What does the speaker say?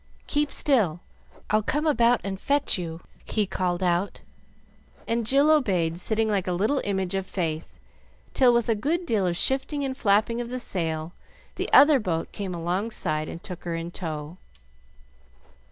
"Keep still! I'll come about and fetch you!" he called out; and Jill obeyed, sitting like a little image of faith, till with a good deal of shifting and flapping of the sail, the other boat came alongside and took her in tow.